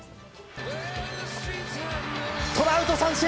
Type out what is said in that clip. トラウト、三振。